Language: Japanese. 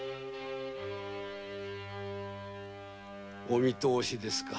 お見とおしですか？